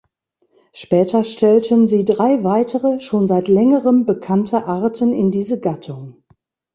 Später stellten sie drei weitere, schon seit längerem bekannte Arten in diese Gattung.